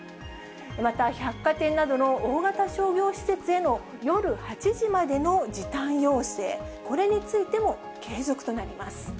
また、百貨店などの大型商業施設への夜８時までの時短要請、これについても継続となります。